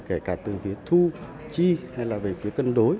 kể cả từ phía thu chi hay là về phía cân đối